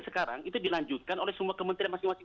sekarang itu dilanjutkan oleh semua kementerian masing masing